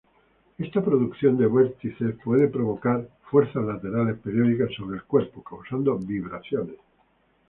Esta producción de vórtices puede provocar fuerzas laterales periódicas sobre el cuerpo, causando vibraciones.